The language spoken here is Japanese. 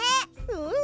うん！